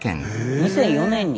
２００４年に。